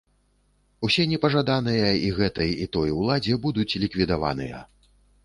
Усе непажаданыя і гэтай, і той уладзе будуць ліквідаваныя.